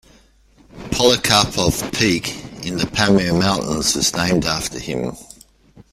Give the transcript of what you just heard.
"Polikarpov Peak" in the Pamir Mountains was named after him.